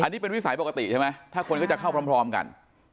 อันนี้เป็นวิสัยปกติใช่ไหมถ้าคนก็จะเข้าพร้อมกัน